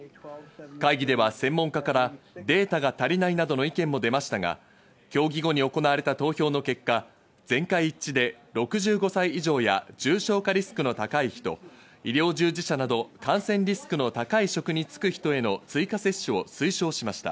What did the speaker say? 会議では専門家からデータが足りないなどの意見も出ましたが、協議後に行われた投票の結果、全会一致で６５歳以上や重症化リスクの高い人、医療従事者など感染リスクの高い職に就く人への追加接種を推奨しました。